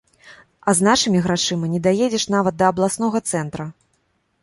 А з нашымі грашыма не даедзеш нават да абласнога цэнтра.